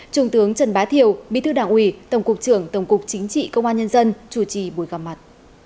trung tướng trần bá thiểu bí thư đảng ủy tổng cục trưởng tổng cục chính trị công an nhân dân chủ trì buổi gặp mặt